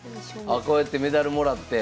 あこうやってメダルもらって。